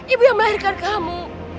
ibu yang melahirkan kamu